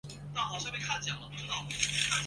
邬励德也是香港会的会员。